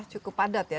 cukup padat ya